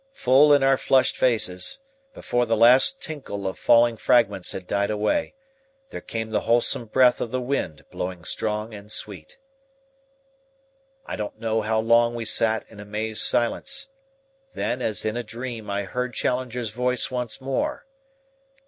Full in our flushed faces, before the last tinkle of falling fragments had died away, there came the wholesome breath of the wind, blowing strong and sweet. I don't know how long we sat in amazed silence. Then as in a dream, I heard Challenger's voice once more.